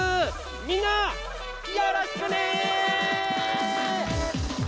みんなよろしくね！